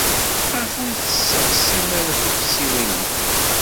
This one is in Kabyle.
Maɣef ur tesseɣsim ara tisfiwin?